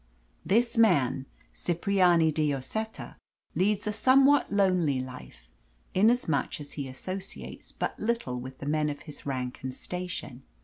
This man, Cipriani de Lloseta, leads a somewhat lonely life, inasmuch as he associates but little with the men of his rank and station.